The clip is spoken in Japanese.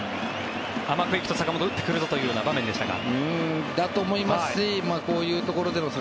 甘く行くと坂本、打ってくるぞという場面でしたが。